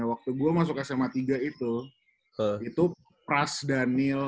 waktu gue masuk sma tiga itu itu pras daniel